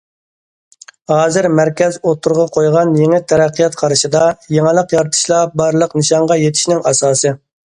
ھازىر مەركەز ئوتتۇرىغا قويغان يېڭى تەرەققىيات قارىشىدا، يېڭىلىق يارىتىشلا بارلىق نىشانغا يېتىشنىڭ ئاساسى.